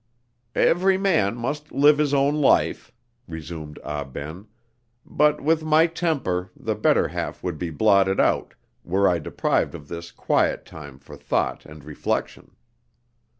"Every man must live his own life," resumed Ah Ben; "but with my temper, the better half would be blotted out, were I deprived of this quiet time for thought and reflection."